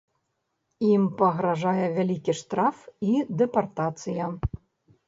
Ім пагражае вялікі штраф і дэпартацыя.